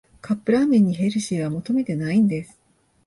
カップラーメンにヘルシーは求めてないんです